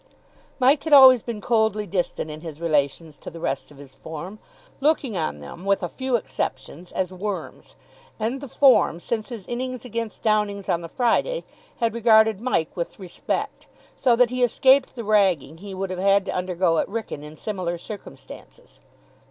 Mike had always been coldly distant in his relations to the rest of his form, looking on them, with a few exceptions, as worms; and the form, since his innings against Downing's on the Friday, had regarded Mike with respect. So that he escaped the ragging he would have had to undergo at Wrykyn in similar circumstances.